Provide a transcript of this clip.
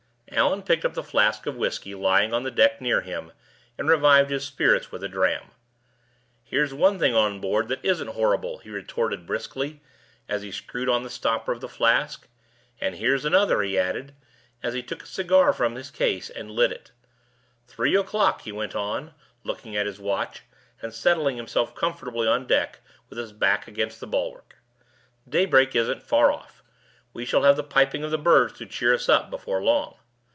Allan picked up the flask of whisky lying on the deck near him, and revived his spirits with a dram. "Here's one thing on board that isn't horrible," he retorted briskly, as he screwed on the stopper of the flask; "and here's another," he added, as he took a cigar from his case and lit it. "Three o'clock!" he went on, looking at his watch, and settling himself comfortably on deck with his back against the bulwark. "Daybreak isn't far off; we shall have the piping of the birds to cheer us up before long.